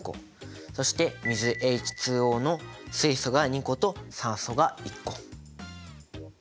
そして水ＨＯの水素が２個と酸素が１個。